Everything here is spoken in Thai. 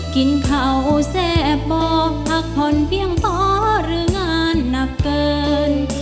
เข่าแซ่บบ่อพักผ่อนเพียงพอหรืองานหนักเกิน